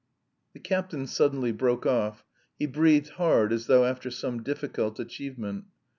The captain suddenly broke off; he breathed hard as though after some difficult achievement.